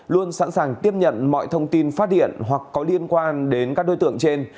luôn sẵn sàng tiếp nhận mọi thông tin phát điện hoặc có liên quan đến các đối tượng trên